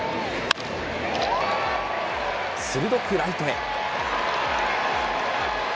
鋭くライトへ。